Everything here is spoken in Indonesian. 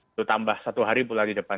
itu tambah satu hari bulan di depan